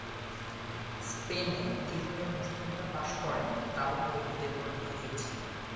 স্পেনে কীভাবে মুসলিমরা বাস করেন তাও বইটিতে বর্ণিত হয়েছে।